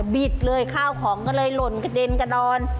บิดเลยข้าวของก็เลยหล่นกระเด็นกระดอน